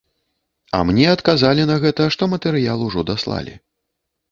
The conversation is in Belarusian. А мне адказалі на гэта, што матэрыял ужо даслалі.